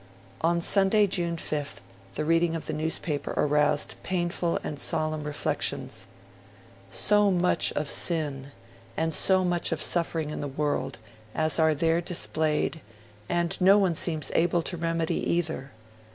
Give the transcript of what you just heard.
On Sunday, June 5th, the reading of the newspaper aroused 'painful and solemn' reflections ... 'So much of sin and so much of suffering in the world, as are there displayed, and no one seems able to remedy either.